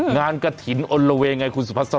งานกฐินอ้อนละเวไงคุณสุภาษณา